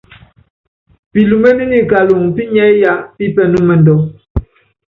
Pilúméné nyi kaluŋɔ pinyiɛ́ yá pípɛnúmɛndú.